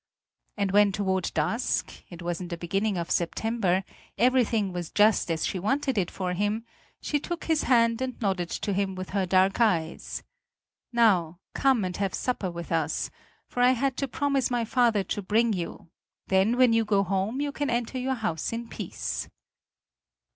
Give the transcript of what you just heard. And when toward dusk it was in the beginning of September everything was just as she wanted it for him, she took his hand and nodded to him with her dark eyes: "Now come and have supper with us; for I had to promise my father to bring you; then when you go home, you can enter your house in peace."